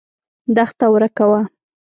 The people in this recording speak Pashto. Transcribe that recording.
دښته ورکه وه.